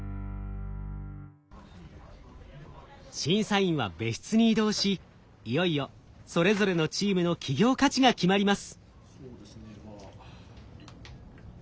審査員は別室に移動しいよいよそれぞれのチームの企業価値が決まります。